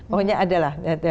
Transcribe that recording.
pokoknya ada lah